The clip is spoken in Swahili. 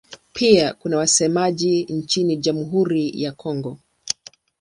Pia kuna wasemaji nchini Jamhuri ya Kongo.